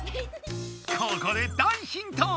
ここで大ヒント！